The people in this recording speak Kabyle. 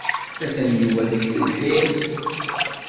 Atan Yuba deg tebḥirt.